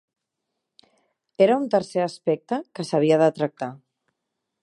Era un tercer aspecte que s"havia de tractar.